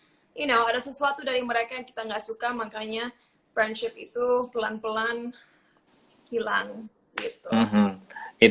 jadi aku juga mengerti bahwa you know ada sesuatu dari mereka yang kita gak suka makanya friendship itu pelan pelan hilang gitu